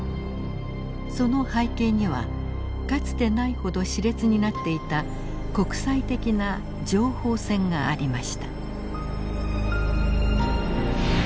その背景にはかつてないほど熾烈になっていた国際的な情報戦がありました。